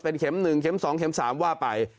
เป็นเข็ม๑เม็ม๒เข็ม๓ว่าไป